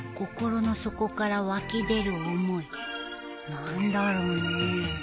何だろうねえ。